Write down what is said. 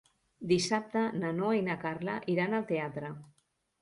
Dissabte na Noa i na Carla iran al teatre.